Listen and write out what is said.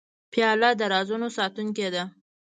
پیاله د رازونو ساتونکې ده.